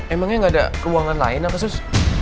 emangnya gak ada ruangan lain apa sus